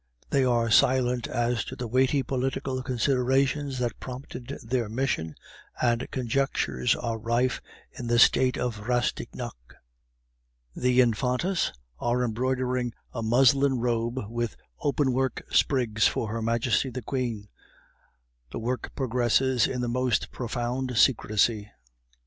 They are silent as to the weighty political considerations that prompted their mission, and conjectures are rife in the State of Rastignac. The Infantas are embroidering a muslin robe with open work sprigs for her Majesty the Queen; the work progresses in the most profound secrecy.